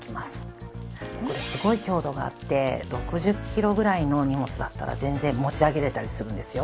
これすごい強度があって６０キロぐらいの荷物だったら全然持ち上げられたりするんですよ。